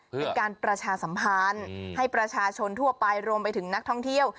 เป็นการประชาสัมพันธ์ให้ประชาชนทั่วไปรวมไปถึงนักท่องเที่ยว